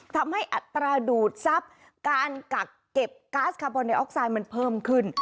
อัตราดูดทรัพย์การกักเก็บก๊าซคาร์บอนไอออกไซด์มันเพิ่มขึ้น